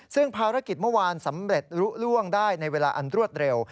ซึ่งภารกิจเมื่อวานสำเร็จลุล่วงได้ในเวลาอันรวดเร็ว